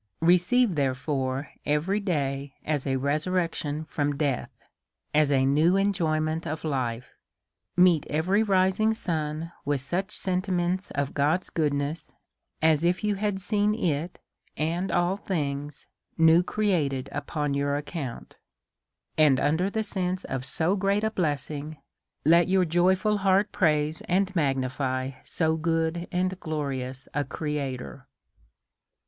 Receive, therefore, every day as a resurrection from death, as a new enjoyment of life; meet every rising sun with such sentiments of God's goodness as if you had seen it, and all things, new created upon your account ; and, under the sense of so great a blessing, let your joyful heart praise and magnify so good and glorious a Creator.